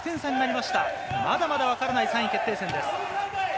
まだまだわからない３位決定戦です。